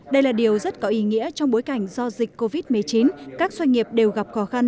đây là điều rất có ý nghĩa trong bối cảnh do dịch covid một mươi chín các doanh nghiệp đều gặp khó khăn